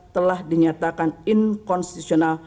telah dinyatakan inkonstitusional